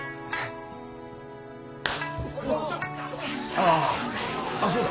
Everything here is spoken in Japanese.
・あああっそうだ。